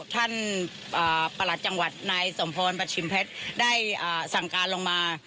ประหลัดจังหวัดนายสมพรบัชชิมเพชรได้สั่งการลงมา